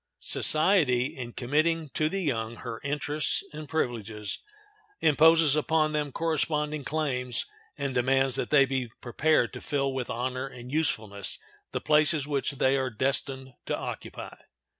Society, in committing to the young her interests and privileges, imposes upon them corresponding claims, and demands that they be prepared to fill with honor and usefulness the places which they are destined to occupy.